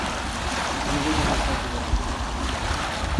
Zéro de recette aujourd’hui!